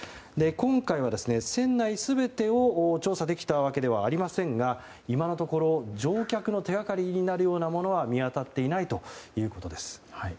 今回は船内全てを調査できたわけではありませんが今のところ、乗客の手掛かりになるようなものは見当たらないということです。